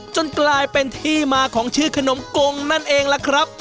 จนกลายเป็นที่มาของชื่อขนมกงนั่นเองล่ะครับ